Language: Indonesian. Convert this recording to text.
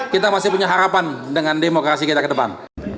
kita masih punya harapan dengan demokrasi kita ke depan